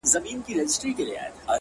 زه لېونے ورلــــــــــــه جامې اخلمه